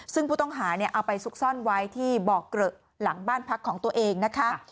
ซึ่งผู้ต้องหาเอาไปซุกซ่อนไว้ที่บอกเกลอะหลังบ้านพักของตัวเองนะคะ